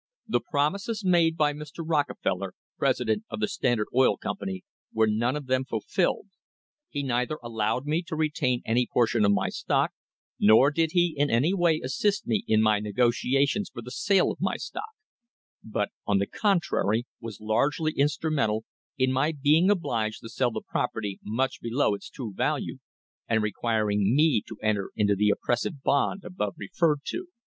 "The promises made by Mr. Rockefeller, president of the Standard Oil Company, were none of them fulfilled; he neither allowed me to retain any portion of my stock, nor did he in any way assist me in my negotiations for the sale of my stock; but, on the contrary, was largely instrumental in my being obliged to sell the property much below its true value, and requiring me to enter into the oppressive bond above referred to.